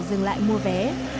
dừng lại mua vé